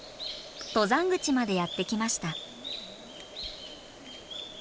登山口までやって来ました。